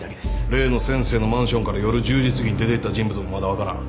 例の先生のマンションから夜１０時すぎに出ていった人物もまだ分からん。